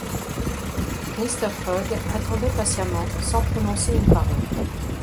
Mr. Fogg attendait patiemment, sans prononcer une parole.